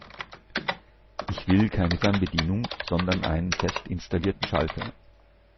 Ich will keine Fernbedienung, sondern einen fest installierten Schalter.